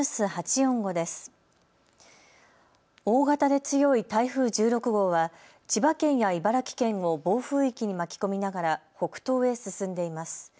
大型で強い台風１６号は千葉県や茨城県を暴風域に巻き込みながら北東へ進んでいます。